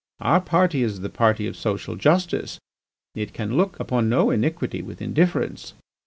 Our party is the party of social justice; it can look upon no iniquity with indifference.